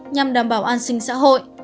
nhằm đảm bảo an sinh xã hội